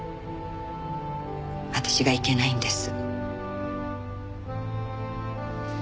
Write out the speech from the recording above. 私がいけないんです。